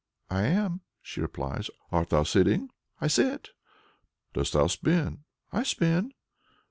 "I am," she replies. "Art thou sitting?" "I sit." "Dost thou spin?" "I spin."